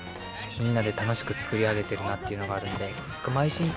みんなで楽しく作り上げてるなっていうのがあるんで毎シーン